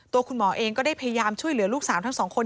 คุณหมอเองก็ได้พยายามช่วยเหลือลูกสาวทั้งสองคน